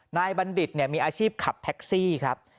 นายบัณฑิตเนี่ยมีอาชีพขับแท็กซี่ครับ